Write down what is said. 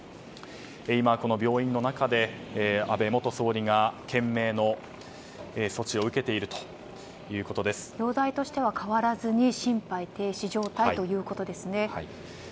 今、この病院の中で安倍元総理が懸命な措置を容体としては、変わらずに心肺停止状態ということですね。